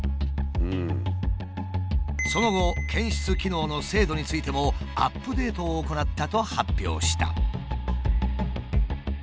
その後検出機能の精度についてもアップデートを行ったと発表した。